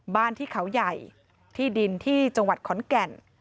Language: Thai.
บ้านที่เขาใหญ่ที่ดินที่จังหวัดขอนแก่น